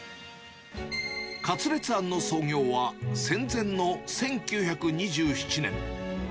勝烈庵の創業は、戦前の１９２７年。